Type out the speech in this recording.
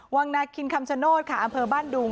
วังนาคินคำชโนธค่ะอำเภอบ้านดุง